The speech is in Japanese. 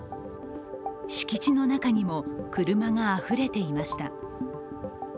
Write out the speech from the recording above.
敷地の中にも車があふれていました。